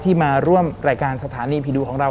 มาร่วมรายการสถานีผีดุของเรา